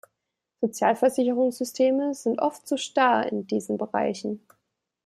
Sozialversicherungssysteme sind oft zu starr in diesen Bereichen.